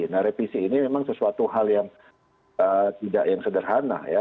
nah revisi ini memang sesuatu hal yang tidak yang sederhana ya